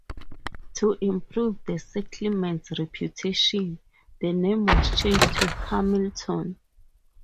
To improve the settlement's reputation, the name was changed to Hamilton.